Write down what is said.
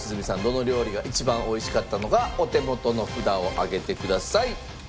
どの料理が一番美味しかったのかお手元の札を上げてください。